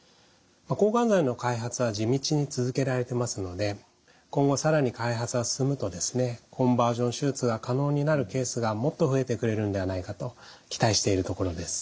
抗がん剤の開発は地道に続けられてますので今後更に開発が進むとですねコンバージョン手術が可能になるケースがもっと増えてくれるんではないかと期待しているところです。